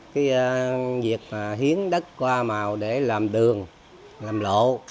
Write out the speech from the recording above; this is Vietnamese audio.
cái việc hiến đất qua màu để làm đường làm lộ